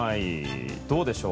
どうでしょう？